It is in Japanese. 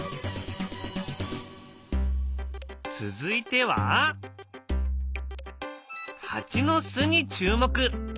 続いてはハチの巣に注目。